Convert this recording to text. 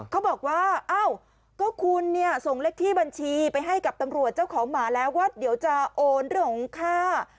เขาบอกว่าเอ้าก็คุณเนี่ยส่งเลขที่บัญชีไปให้กับตำรวจเจ้าของหมาแล้วว่าเดี๋ยวจะโอนเรื่องของค่า